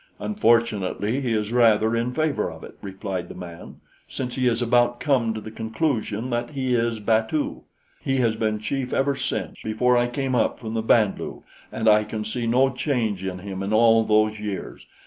"Unfortunately he is rather in favor of it," replied the man, "since he has about come to the conclusion that he is batu. He has been chief ever since, before I came up from the Band lu, and I can see no change in him in all those years.